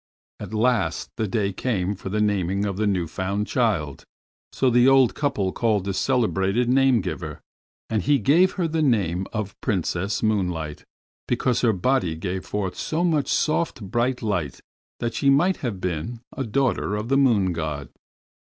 At last the day came for the naming of their new found child, so the old couple called in a celebrated name giver, and he gave her the name of Princess Moonlight, because her body gave forth so much soft bright light that she might have been a daughter of the Moon God.